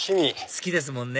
好きですもんね